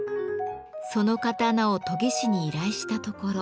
その刀を研ぎ師に依頼したところ。